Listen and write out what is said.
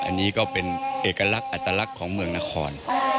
อันนี้ก็เป็นเอกลักษณ์อัตลักษณ์ของเมืองนคร